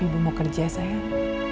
ibu mau kerja sayang